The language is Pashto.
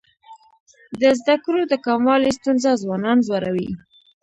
د زده کړو د کموالي ستونزه ځوانان ځوروي.